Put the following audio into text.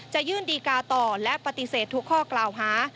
จะยื่นดีกาต่อและปฏิเสธทุกข้อกล่าวหา